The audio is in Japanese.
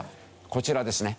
こちらですね。